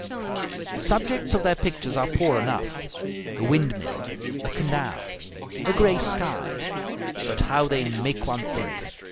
The subjects of their pictures are poor enough, a windmill, a canal, a gray sky; but how they make one think!